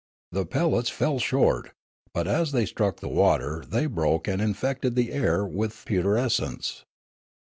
The pellets fell short ; but as they struck the water they broke and infected the air with putrescence.